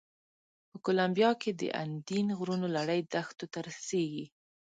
په کولمبیا کې د اندین غرونو لړۍ دښتو ته رسېږي.